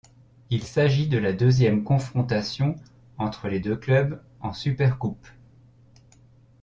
Il s'agit de la deuxième confrontation entre les deux clubs en Supercoupe.